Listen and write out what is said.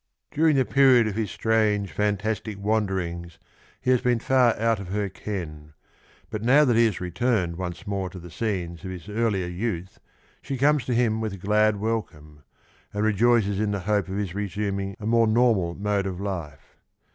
During the period of his strange, fantastic wanderings he has been far out of her ken, but now that he has returned once more to the scenes of his earlier youth she comes to him wath glad welcome, and rejoices in the hope of his resuming a more normal mode of life.